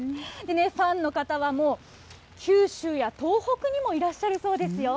ファンの方はもう、九州や東北にもいらっしゃるそうですよ。